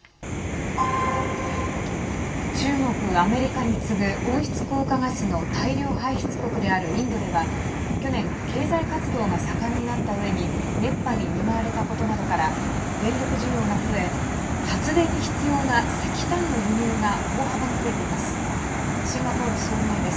中国、アメリカに次ぐ温室効果ガスの大量排出国であるインドでは去年経済活動が盛んになったうえに熱波に見舞われたことなどから電力需要が増え発電に必要な石炭の輸入が大幅に増えています。